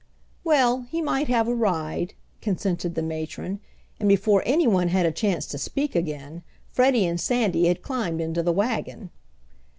"Well, he might have a ride," consented the matron, and before anyone had a chance to speak again Freddie and Sandy had climbed into the wagon.